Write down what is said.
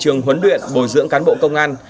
trường huấn luyện bồi dưỡng cán bộ công an